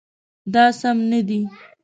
دا سم نه دی